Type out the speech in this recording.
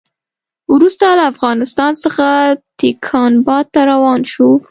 وروسته له افغانستان څخه تکیناباد ته روان شو.